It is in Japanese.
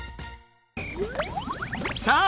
さあ！